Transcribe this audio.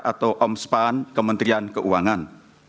atau omspan kementerian keuangan